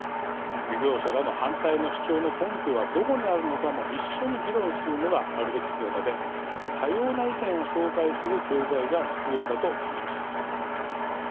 漁業者らの反対の主張の根拠はどこにあるのかも一緒に議論するのがあるべき姿で多様な意見を紹介する教材が必要だと思います。